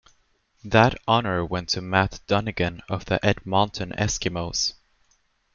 That honour went to Matt Dunigan of the Edmonton Eskimos.